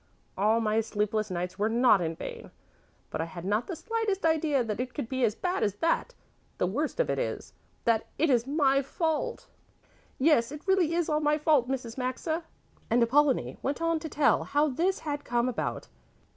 All my sleepless nights were not in vain, but I had not the slightest idea that it could be as bad as that. The worst of it is that it is my fault. "Yes, it really is all my fault, Mrs. Maxa," and Apollonie went on to tell how this had come about.